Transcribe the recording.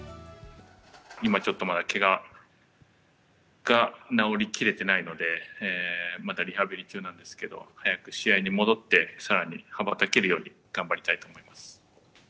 今ちょっとまだけがが治りきれてないので、まだリハビリ中なんですけれども、早く試合に戻って、さらに羽ばたけるように頑張りたいと思います。